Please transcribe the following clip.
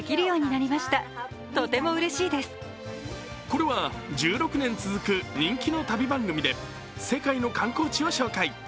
これは１６年続く人気の旅番組で世界の観光地を紹介。